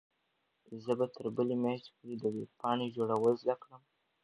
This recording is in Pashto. زه به تر بلې میاشتې پورې د ویبپاڼې جوړول زده کړم.